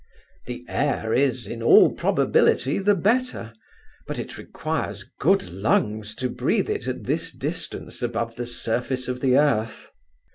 The air is, in all probability, the better; but it requires good lungs to breathe it at this distance above the surface of the earth.